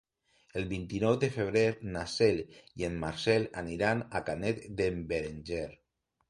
El vint-i-nou de febrer na Cel i en Marcel aniran a Canet d'en Berenguer.